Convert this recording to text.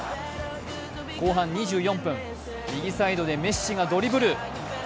後半２４分、右サイドでメッシがドリブル。